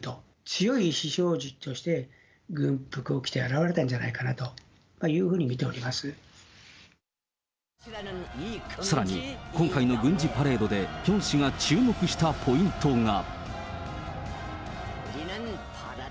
強い意志表示として軍服を着て現れたんじゃないかなというふうにさらに、今回の軍事パレードでピョン氏が注目したポイントが。